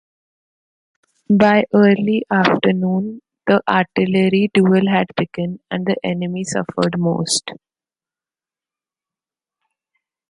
By early afternoon, the artillery duel had begun; and the enemy suffered most.